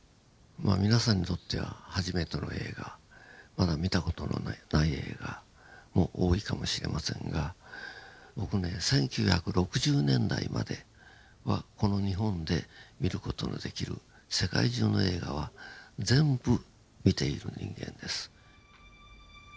皆さんにとっては初めての映画まだ見た事のない映画も多いかもしれませんが僕ね１９６０年代まではこの日本で見る事のできる世界中の映画は全部見ている人間です。